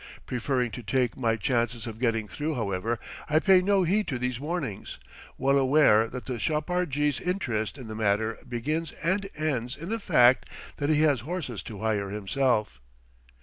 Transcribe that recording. Preferring to take my chances of getting through, however, I pay no heed to these warnings, well aware that the chapar jee's interest in the matter begins and ends in the fact that he has horses to hire himself.